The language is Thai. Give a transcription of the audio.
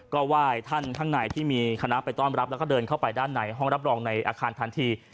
ก็ไหว้ท่านข้างในที่มีคณะไปต้อนรับแล้วก็เดินเข้าไปด้านในห้องรับรองในอาคารทันที